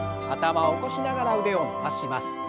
頭を起こしながら腕を伸ばします。